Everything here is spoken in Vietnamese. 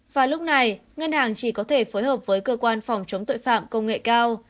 và lúc này ngân hàng chỉ có thể phối hợp với cơ quan phòng chống tội phạm công nghệ cao